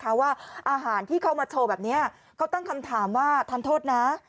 เพราะว่าอาหารที่เขามาโชว์แบบนี้เขาตั้งคำถามว่าทานโทษนะ